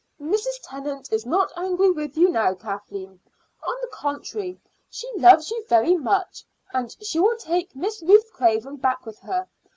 "Mrs. Tennant is not angry with you now, Kathleen. On the contrary, she loves you very much; and she will take Miss Ruth Craven back with her.